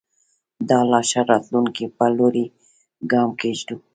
د لا ښه راتلونکي په لوري ګام کېږدو.